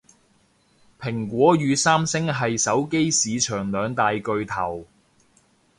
蘋果與三星係手機市場兩大巨頭